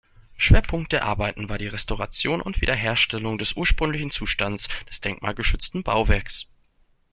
Schwerpunkt der Arbeiten war die Restauration und Wiederherstellung des ursprünglichen Zustands des denkmalgeschützten Bauwerks.